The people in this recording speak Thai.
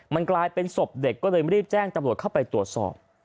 มันกลายเป็นศพเด็กก็เลยรีบแจ้งตำรวจเข้าไปตรวจสอบ